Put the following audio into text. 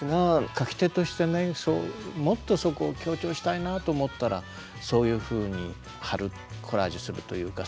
描き手としてもっとそこを強調したいなと思ったらそういうふうに貼るコラージュするというか。